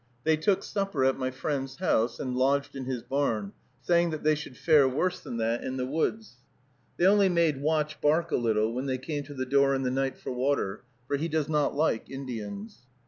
They took supper at my friend's house and lodged in his barn, saying that they should fare worse than that in the woods. They only made Watch bark a little, when they came to the door in the night for water, for he does not like Indians.